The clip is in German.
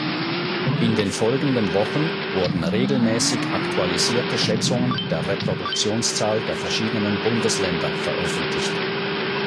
In den folgenden Wochen wurden regelmäßig aktualisierte Schätzungen der Reproduktionszahl der verschiedenen Bundesländer veröffentlicht.